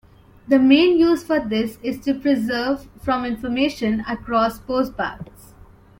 The main use for this is to preserve form information across postbacks.